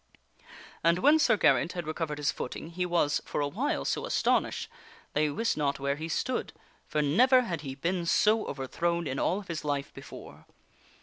io 4 THE WINNING OF A QUEEN And when Sir Geraint had recovered his footing, he was, for awhile, so astonished that he wist not where he stood, for never had he been so over thrown in all of his life before.